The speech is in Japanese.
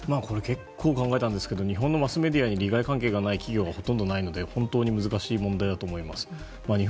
結構、考えたんですけど日本のマスメディアに利害関係がない企業はほとんどないので本当に難しい問題だと思います。